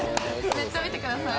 めっちゃ見てください。